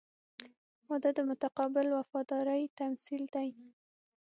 • واده د متقابل وفادارۍ تمثیل دی.